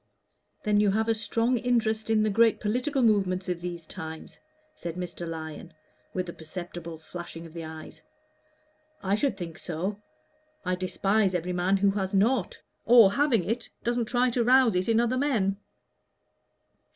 "Then you have a strong interest in the great political movements of these times?" said Mr. Lyon, with a perceptible flashing of the eyes. "I should think so. I despise every man who has not or, having it, doesn't try to rouse it in other men."